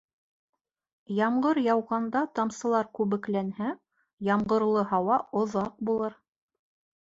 Ямғыр яуғанда тамсылар күбекләнһә, ямғырлы һауа оҙаҡ булыр.